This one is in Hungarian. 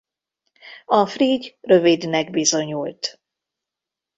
A frigy rövidnek bizonyult.